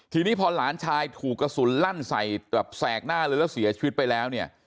ทีนี้พอหลานชายถูกกระสุนลั่นใส่แบบแสกหน้าเลยแล้วเสียชีวิตไปแล้วเนี่ย